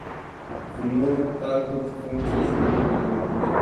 Ufunuo tatu kifungu cha ishirini kwenye biblia